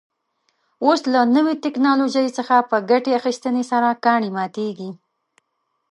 اوس له نوې تکنالوژۍ څخه په ګټې اخیستنې سره کاڼي ماتېږي.